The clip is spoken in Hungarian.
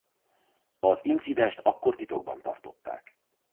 Az incidenst akkor titokban tartották.